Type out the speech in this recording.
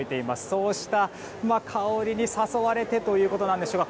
そうした香りに誘われてということでしょうか